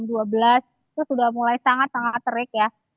itu sudah mulai sangat sangat terik ya